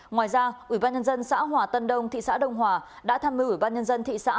ngoài ra ủy ban nhân dân xã hòa tân đông thị xã đông hòa đã tham mưu ủy ban nhân dân thị xã